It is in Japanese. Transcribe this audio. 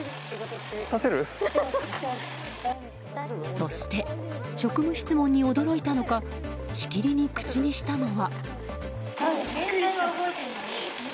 そして、職務質問に驚いたのかしきりに繰り返したのが。